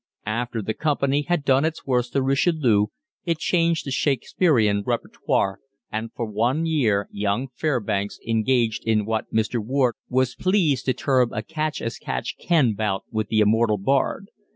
After the company had done its worst to "Richelieu," it changed to Shakespearean repertoire, and for one year young Fairbanks engaged in what Mr. Warde was pleased to term a "catch as catch can bout with the immortal Bard."